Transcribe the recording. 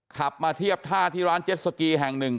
ขับมาเทียบท่าที่ร้านเจ็ดสกีแห่งหนึ่ง